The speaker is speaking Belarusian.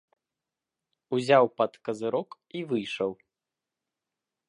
Узяў пад казырок і выйшаў.